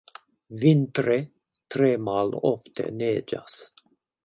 Vintre tre malofte neĝas.